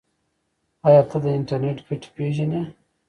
ایا ته د انټرنیټ ګټې پیژنې؟